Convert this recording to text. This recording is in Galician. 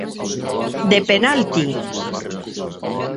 _De penalti.